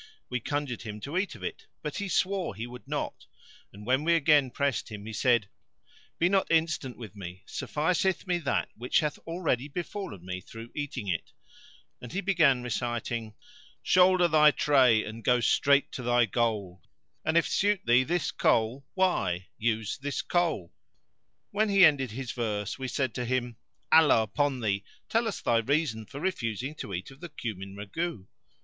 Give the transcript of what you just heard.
We conjured him to eat of it but he swore he would not; and, when we again pressed him, he said, "Be not instant with me; sufficeth me that which hath already befallen me through eating it", and he began reciting: "Shoulder thy tray and go straight to thy goal; * And, if suit thee this Kohl why, use this Kohl!"[FN#554] When he ended his verse we said to him, "Allah upon thee, tell us thy reason for refusing to eat of the cumin ragout?"